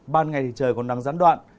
ban ngày thì trời còn nắng gián đoạn